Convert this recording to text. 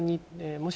もし